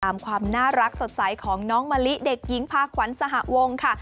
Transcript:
ความน่ารักสดใสของน้องมะลิเด็กหญิงพาขวัญสหวงค่ะ